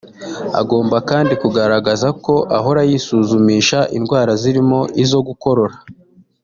Agomba kandi kugaragaza ko ahora yisuzumisha indwara zirimo izo gukorora